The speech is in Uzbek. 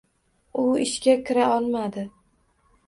U ishga kira olmadi.